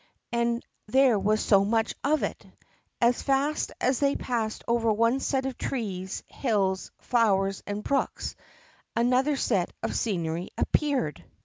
And there was so much of it! As fast as they passed over one set of trees, hills, flowers, and brooks, another set of scenery appeared.